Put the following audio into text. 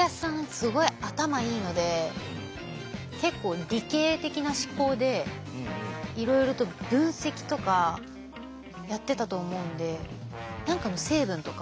すごい頭いいので結構理系的な思考でいろいろと分析とかやってたと思うんで何かの成分とか？